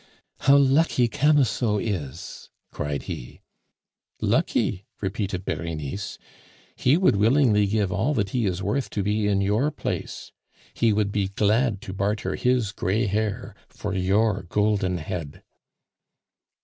"How lucky Camusot is!" cried he. "Lucky?" repeated Berenice. "He would willingly give all that he is worth to be in your place; he would be glad to barter his gray hair for your golden head."